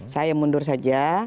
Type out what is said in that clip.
saya mundur saja